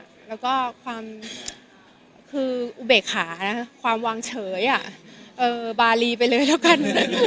แล้วก็ความคืออุเบกขานะความวางเฉยบารีไปเลยแล้วกัน